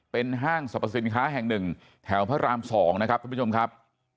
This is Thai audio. เป็นห้างสรรพสินค้าแห่งหนึ่งแถวพระราม๒นะครับท่านผู้ชมครับ